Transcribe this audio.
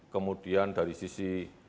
kemudian dari sisi